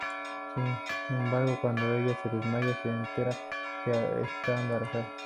Sin embargo, cuando ella se desmaya, se enteran de que está embarazada.